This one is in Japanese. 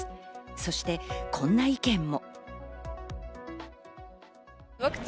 そして、こんな意見も。